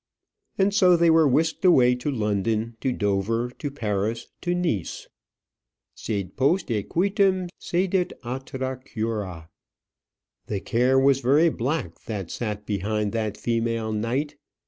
And so they were whisked away to London, to Dover, to Paris, to Nice. "Sed post equitem sedet atra cura." The care was very black that sat behind that female knight.